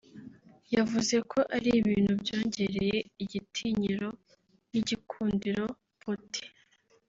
yavuze ko ari ibintu byongereye igitinyiro n’igikundiro Putin